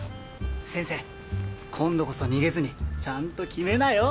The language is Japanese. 先生今度こそ逃げずにちゃんと決めなよ！